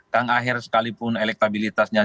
kang aher sekalipun elektabilitasnya